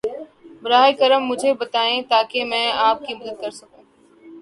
براہ کرم مجھے بتائیں تاکہ میں آپ کی مدد کر سکوں۔